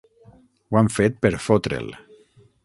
Ho han fet per fotre'l.